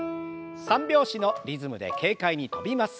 三拍子のリズムで軽快に跳びます。